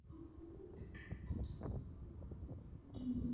იულიას დარჩა ქალიშვილი, შესაძლოა, ვაჟი და რამდენიმე შვილიშვილი.